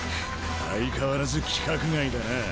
相変わらず規格外だなぁ。